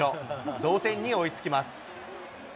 同点に追いつきます。